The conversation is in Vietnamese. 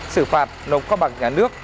xử phạt nộp khoa bạc nhà nước